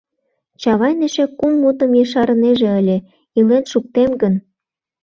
— Чавайн эше кум мутым ешарынеже ыле: «Илен шуктем гын».